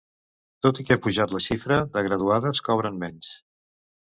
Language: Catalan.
Tot i que ha pujat la xifra de graduades, cobren menys.